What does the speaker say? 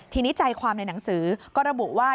ทีนี้ใจความในหนังสือก็ระบุว่า